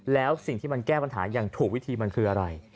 แล้วสิ่งที่มันแก้ปัญหาอย่างถูกวิธีมันคืออะไร